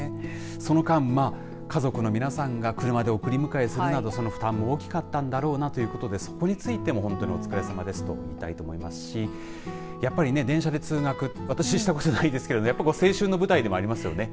その間、家族の皆さんが車で送り迎えするなどその負担も大きかったんだろうなということでそこについてもお疲れ様ですと言いたいところですしやっぱりね電車で通学私したことないですけど青春の舞台でもありますよね。